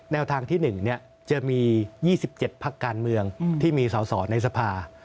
แนวทางที่๑จะมี๒๗พักการเมืองที่มีสอสอในสภา